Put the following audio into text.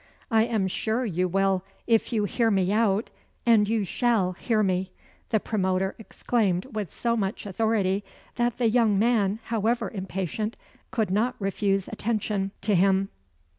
"I am sure you will, if you hear me out and you shall hear me," the promoter exclaimed with so much authority that the young man, however impatient, could not refuse attention, to him.